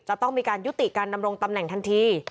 จะต้องมีการยุติการดำรงตำแหน่งทันที